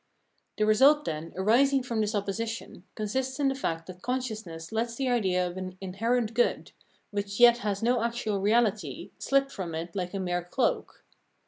The result, then, arising from this opposition, con sists in the fact that consciousness lets the idea of an inherent good, which yet has no actual reahty, slip from it like a mere cloak.